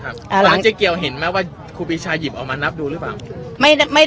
ตอนนั้นเจ๊เกียวเห็นไหมว่าครูปีชายิบออกมานับดูหรือเปล่า